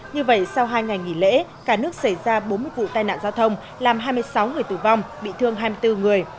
như vậy sau hai ngày nghỉ lễ cả nước xảy ra bốn mươi vụ tai nạn giao thông làm hai mươi sáu người tử vong bị thương hai mươi bốn người